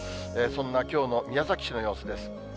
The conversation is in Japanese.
そんなきょうの宮崎市の様子です。